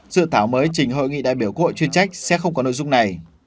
dự thảo mới trình hội nghị đại biểu quốc hội chuyên trách sẽ không có nội dung này